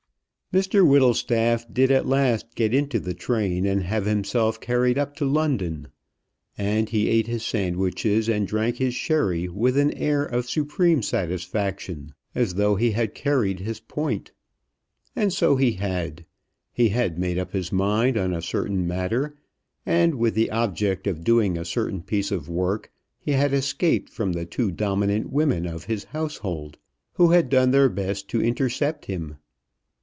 Mr Whittlestaff did at last get into the train and have himself carried up to London. And he ate his sandwiches and drank his sherry with an air of supreme satisfaction, as though he had carried his point. And so he had. He had made up his mind on a certain matter; and, with the object of doing a certain piece of work, he had escaped from the two dominant women of his household, who had done their best to intercept him.